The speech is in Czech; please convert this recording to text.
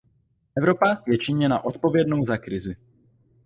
Evropa je činěna odpovědnou za krizi.